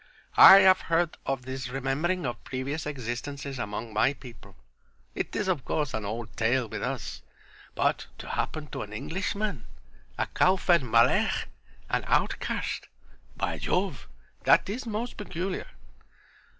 I have heard of this remembering of previous existences among my people. It is of course an old tale with us, but, to happen to an Englishman—a cow fed Malechk—an outcast. By Jove, that is most peculiar!"